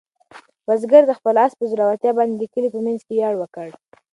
بزګر د خپل آس په زړورتیا باندې د کلي په منځ کې ویاړ وکړ.